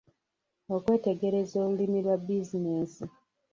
Okwetegereza olulimi lwa bizinensi.